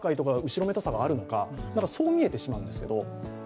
後ろめたさがあるのか、そう見えてしまうんですけど。